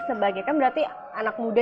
sebagai kan berarti anak muda